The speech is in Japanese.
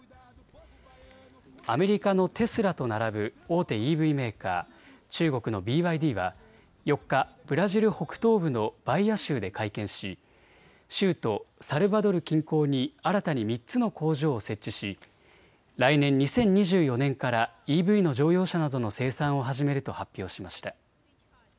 アメリカのテスラと並ぶ大手ＥＶメーカー、中国のＢＹＤは４日、ブラジル北東部のバイア州で会見し州都サルバドル近郊に新たに３つの工場を設置し来年２０２４年からＥＶの乗用車などの生産を始めると発表しました。